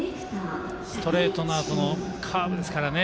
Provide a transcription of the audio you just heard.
ストレートのあとのカーブですからね。